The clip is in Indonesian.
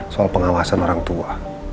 soal pengawasan orang tua